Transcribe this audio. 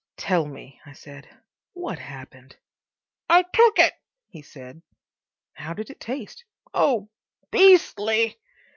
"Tell me," I said, "what happened?" "I took it," he said. "How did it taste?" "Oh, BEASTLY!"